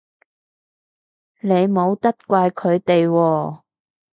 你冇得怪佢哋喎